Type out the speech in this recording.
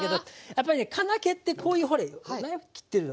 やっぱりね金気ってこういうほれナイフで切ってるので。